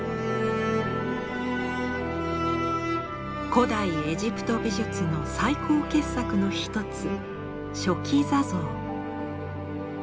古代エジプト美術の最高傑作の一つ「書記座像」。